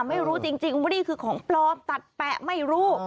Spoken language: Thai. ไม่รู้จริงว่านี่คือของปลอมตัดแปะไม่รู้